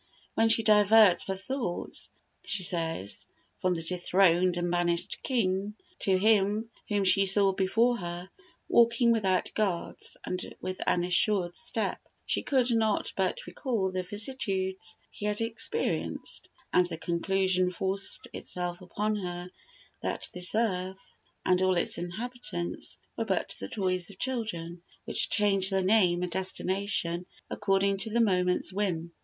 When she diverts her thoughts, she says, from the dethroned and banished king to him whom she saw before her, walking without guards and with an assured step, she could not but recall the vicissitudes he had experienced, and the conclusion forced itself upon her that this earth and all its inhabitants were but the toys of children, which change their name and destination according to the moment's whim.